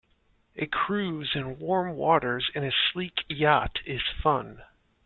A cruise in warm waters in a sleek yacht is fun.